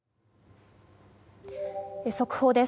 速報です。